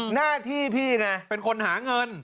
หน้าที่พี่ไงเป็นคนหาเงิน